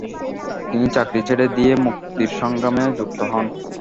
তিনি চাকরি ছেড়ে দিয়ে মুক্তির সংগ্রামে যুক্ত হন।